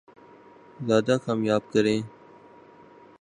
زیادہ کامیاب کریں